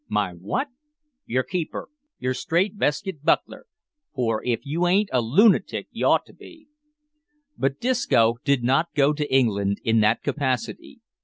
"My what?" "Yer keeper yer strait veskit buckler, for if you ain't a loonatic ye ought to be." But Disco did not go to England in that capacity.